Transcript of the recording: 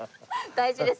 大事です。